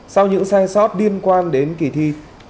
sau những sai sót liên quan đến kỳ thi